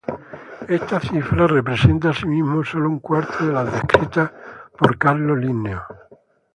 Esa cifra representa asimismo solo un cuarto de las descriptas por Carlos Linneo.